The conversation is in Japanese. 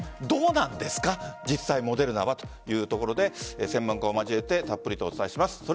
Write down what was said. どうなんですか実際、モデルナはというところで専門家を交えてたっぷりお伝えします。